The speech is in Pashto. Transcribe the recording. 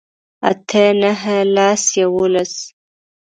اتۀ نهه لس يوولس